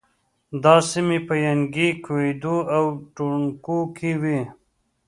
دا سیمې په ینګی، کویدو او ټونګو کې وې.